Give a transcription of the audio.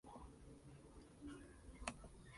La parte interior es de una sola nave y con tres altares.